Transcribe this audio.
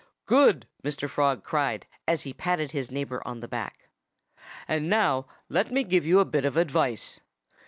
"Good!" Mr. Frog cried, as he patted his neighbor on the back. "And now let me give you a bit of advice.